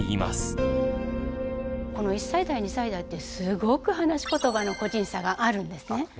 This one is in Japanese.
この１歳代２歳代ってすごく話しことばの個人差があるんですね。